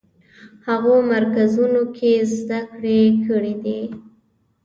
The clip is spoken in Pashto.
هغو مرکزونو کې زده کړې کړې دي.